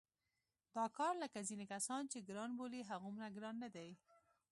دا کار لکه ځینې کسان چې ګران بولي هغومره ګران نه دی.